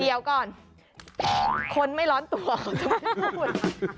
เดี๋ยวก่อนคนไม่ร้อนตัวจะไม่พูด